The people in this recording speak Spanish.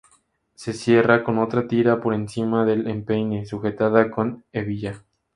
Se cierra con otra tira por encima del empeine, sujetada con hebilla.